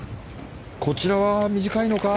こちらは短いのか。